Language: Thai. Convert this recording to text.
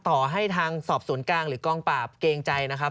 ต่อให้ทางสอบสวนกลางหรือกองปราบเกรงใจนะครับ